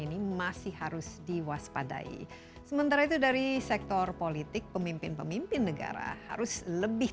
iya sekali lagi terima kasih